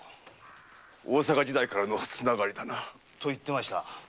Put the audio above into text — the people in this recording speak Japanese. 大坂時代からの繋がりだな。と言ってました。